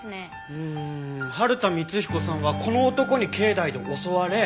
うーん春田光彦さんはこの男に境内で襲われ。